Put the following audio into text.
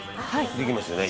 「できますよね。